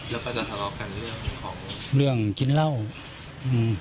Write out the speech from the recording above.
แล้วก็จะทะเลาะกันเรื่องของเรื่องกินเหล้าอืม